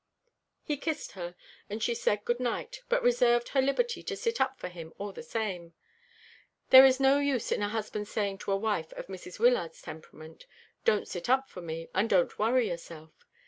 He kissed her; and she said good night, but reserved her liberty to sit up for him all the same. There is no use in a husband saying to a wife of Mrs. Wyllard's temperament, "Don't sit up for me, and don't worry yourself!"